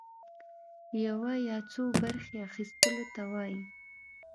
يوه يا څو برخي اخيستلو ته وايي.